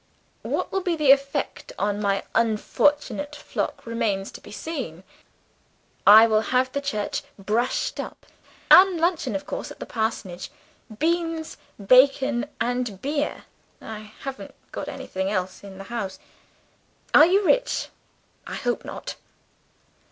What will be the effect on my unfortunate flock remains to be seen. I will have the church brushed up, and luncheon of course at the parsonage. Beans, bacon, and beer I haven't got anything else in the house. Are you rich? I hope not!"